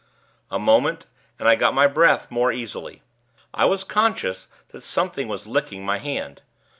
A moment, and I got my breath more easily. I was conscious that something was licking my hand.